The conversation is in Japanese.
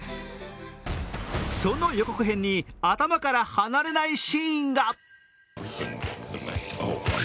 その予告編に、頭から離れないシーンが。